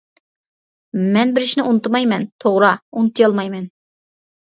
مەن بىر ئىشنى ئۇنتۇمايمەن، توغرا، ئۇنتۇيالمايمەن.